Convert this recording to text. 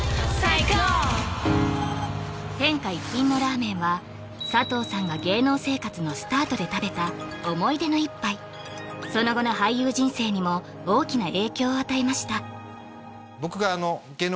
天下一品のラーメンは佐藤さんが芸能生活のスタートで食べた思い出の一杯その後の俳優人生にも大きな影響を与えました